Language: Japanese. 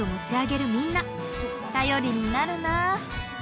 頼りになるなあ。